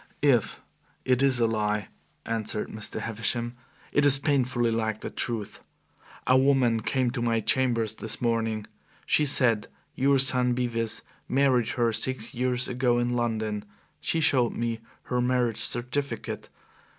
"If it is a lie," answered Mr. Havisham, "it is painfully like the truth. A woman came to my chambers this morning. She said your son Bevis married her six years ago in London. She showed me her marriage certificate.